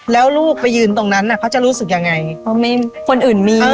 แล้วลูกไปยืนตรงนั้นเขาจะรู้สึกยังไงเพราะมีคนอื่นมี